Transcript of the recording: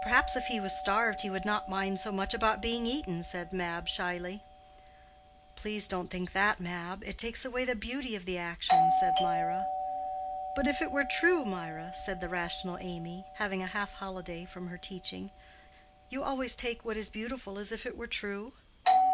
"Perhaps if he was starved he would not mind so much about being eaten," said Mab, shyly. "Please don't think that, Mab; it takes away the beauty of the action," said Mirah. "But if it were true, Mirah?" said the rational Amy, having a half holiday from her teaching; "you always take what is beautiful as if it were true."